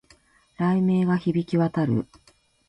雷鳴が響き渡る